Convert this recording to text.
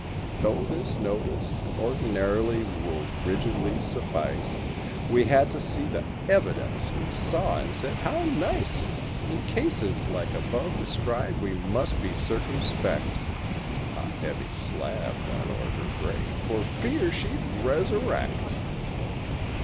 Though this notice ordinarily will rigidly suffice. We had to see the "evidence"—we saw and said— "How nice!" 14 In cases, like above described, we must be circum¬ spect— A heavy slab went o'er her grave for fear she'd resurrect.